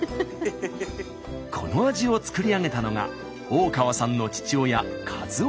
この味を作り上げたのが大川さんの父親一雄さん。